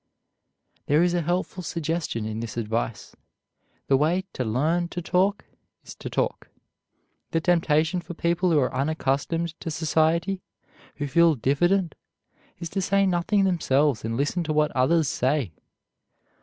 There is a helpful suggestion in this advice. The way to learn to talk is to talk. The temptation for people who are unaccustomed to society, and who feel diffident, is to say nothing themselves and listen to what others say.